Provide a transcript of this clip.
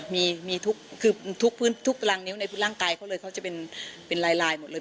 มีทุกพลังนิ้วในพลังกายเขาเลยเขาจะเป็นลายหมดเลย